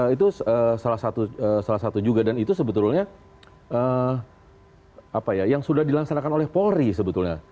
itu salah satu juga dan itu sebetulnya yang sudah dilaksanakan oleh polri sebetulnya